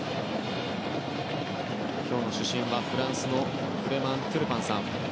今日の主審はフランスのクレマン・テュルパンさん。